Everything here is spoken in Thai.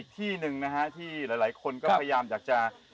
ที่หลายคนก็พยายามอยากจะ